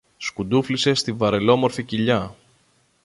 σκουντούφλησε στη βαρελόμορφη κοιλιά